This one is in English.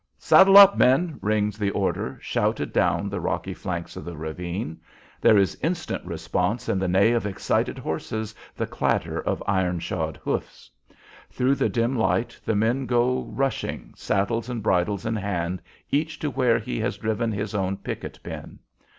"Saddle up, men!" rings the order, shouted down the rocky flanks of the ravine. There is instant response in the neigh of excited horses, the clatter of iron shod hoofs. Through the dim light the men go rushing, saddles and bridles in hand, each to where he has driven his own picket pin.